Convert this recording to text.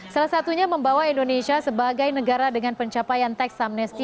salah satunya membawa indonesia sebagai negara dengan pencapaian tax amnesti